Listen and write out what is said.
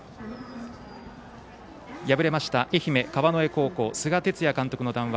敗れました、愛媛の川之江菅哲也監督の談話